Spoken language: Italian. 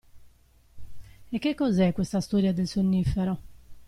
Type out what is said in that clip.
E che cos'è questa storia del sonnifero.